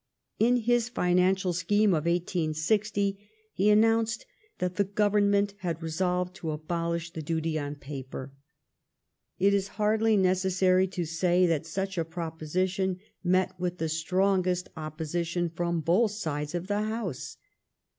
In his financial scheme of i860 he announced that the Government had resolved to abolish the duty on paper. It is hardly necessary to say that such a proposition met with the strongest opposi tion from both sides of the House.